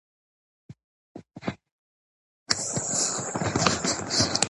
هیڅ کار عیب نه دی.